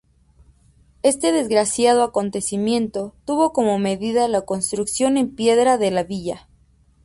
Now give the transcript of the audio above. Este desgraciado acontecimiento tuvo como medida la construcción en piedra de la villa.